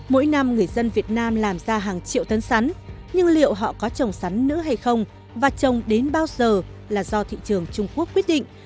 mỗi năm người dân việt nam làm ra hàng triệu tấn sắn nhưng liệu họ có trồng sắn nữ hay không và trồng đến bao giờ là do thị trường trung quốc quyết định